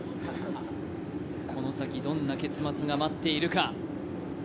この先、どんな結末が待っているか。